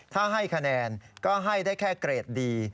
ถ้าให้คะแนนก็ให้ได้แค่เกรดดี